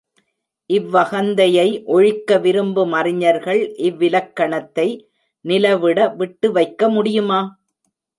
இவ்வகந்தையை ஒழிக்க விரும்புமறிஞர்கள் இவ்விலக்கணத்தை நிலவிட விட்டு வைக்க முடியுமா?